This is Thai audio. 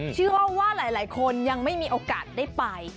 เชื่อว่าหลายคนยังไม่มีโอกาสได้ไป